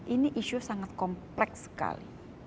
ini isu sangat kompleks sekali